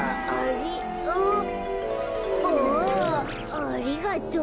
ありがとう。